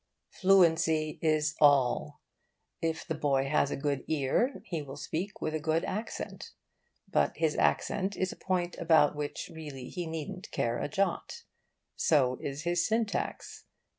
Fluency is all. If the boy has a good ear, he will speak with a good accent; but his accent is a point about which really he needn't care a jot. So is his syntax.